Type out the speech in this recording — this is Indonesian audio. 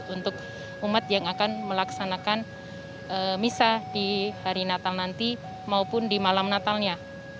untuk umat yang akan melaksanakan misa di hari natal nanti maupun di malam natalnya